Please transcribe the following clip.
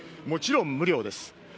もちろん無料です。